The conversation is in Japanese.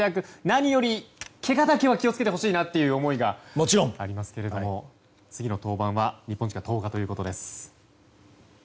何より、けがだけは気を付けてほしいなという思いがありますけれども次の登板は日本時間１０日ということです。